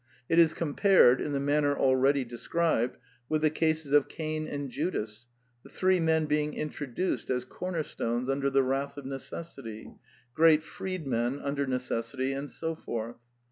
It is compared, in the manner already described, with the cases of Cain and Judas, the three men being introduced as " corner stones under the wrath of necessity," great freedmen under necessity," and so forth.